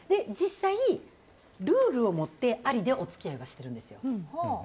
実際、ルールを持ってありでお付き合いしているんです。